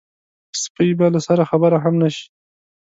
سپۍ به له سره خبره هم نه شي.